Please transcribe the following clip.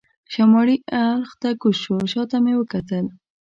شمالي اړخ ته کوز شو، شا ته مې وکتل.